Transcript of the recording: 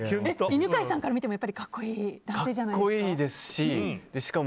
犬飼さんから見ても格好いい男性じゃないですか？